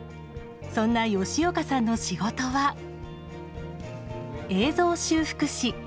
そんな吉岡さんの仕事は映像修復師。